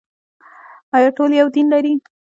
آیا ټول یو دین لري؟